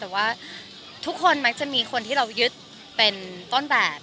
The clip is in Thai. แต่ว่าทุกคนมักจะมีคนที่เรายึดเป็นต้นแบบ